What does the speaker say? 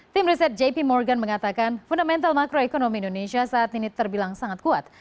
tim riset jp morgan mengatakan fundamental makroekonomi indonesia saat ini terbilang sangat kuat